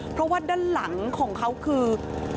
เพราะว่าด้านหลังของเขาคือ